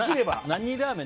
何ラーメン？